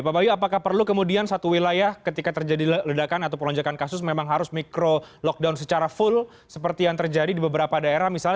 pak bayu apakah perlu kemudian satu wilayah ketika terjadi ledakan atau lonjakan kasus memang harus mikro lockdown secara full seperti yang terjadi di beberapa daerah misalnya